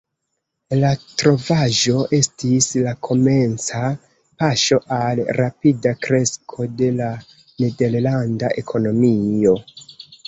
La trovaĵo estis la komenca paŝo al rapida kresko de la nederlanda ekonomio.